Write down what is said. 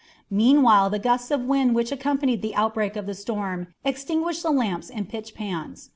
Meanwhile the gusts of wind which accompanied the outbreak of the storm extinguished the lamps and pitch pans.